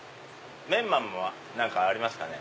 メンマもありましたね。